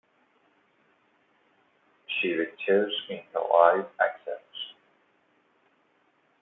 She, with tears in her eyes, accepts.